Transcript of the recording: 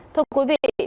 thưa quý vị